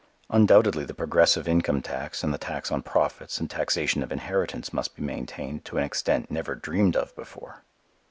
Undoubtedly the progressive income tax and the tax on profits and taxation of inheritance must be maintained to an extent never dreamed of before.